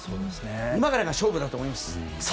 今からが勝負だと思います。